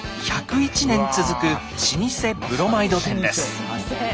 １０１年続く老舗ブロマイド店です。